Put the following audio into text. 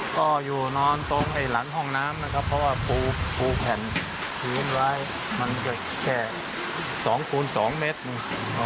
ก็อยู่นอนตรงไอ้หลังห้องน้ำนะครับเพราะว่าปูแผ่นพื้นไว้มันจะแค่๒คูณ๒เมตรนี่